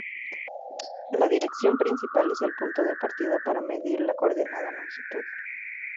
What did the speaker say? La dirección principal es el punto de partida para medir la coordenada longitud.